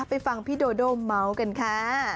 ไปฟังพี่โดด้อเม้ากันค่ะ